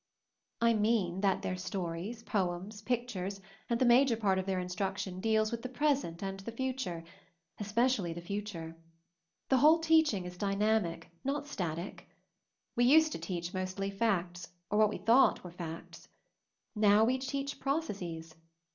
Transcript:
"I mean that their stories, poems, pictures, and the major part of their instruction deals with the present and future — especially the future. The whole teaching is dynamic — not static. We used to teach mostly facts, or what we thought were facts. Now we teach processes.